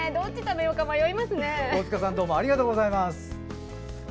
大塚さん、どうもありがとうございます。